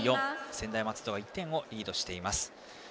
専大松戸が１点をリードしてます。